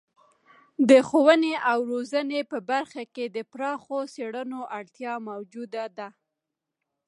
د ښوونې او روزنې په برخه کې د پراخو څیړنو اړتیا موجوده ده.